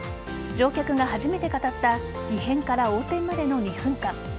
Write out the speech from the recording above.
乗客が初めて語った異変から横転までの２分間。